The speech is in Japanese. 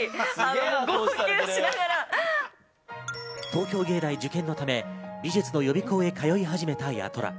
東京藝大受験のため美術の予備校へ通い始めた八虎。